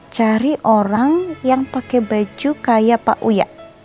cari orang yang pakai baju kayak pak uya